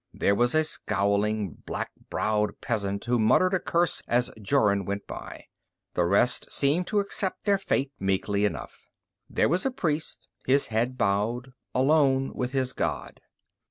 There was a scowling, black browed peasant who muttered a curse as Jorun went by; the rest seemed to accept their fate meekly enough. There was a priest, his head bowed, alone with his God.